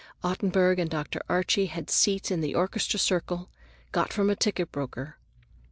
Ottenburg and Dr. Archie had seats in the orchestra circle, got from a ticket broker.